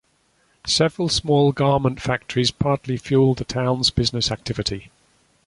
Several small garment factories partly fuel the town's business activity.